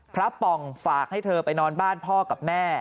ป่องฝากให้เธอไปนอนบ้านพ่อกับแม่